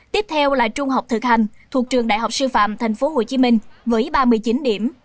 tiếp theo là trung học thực hành thuộc trường đại học sư phạm tp hcm với ba mươi chín điểm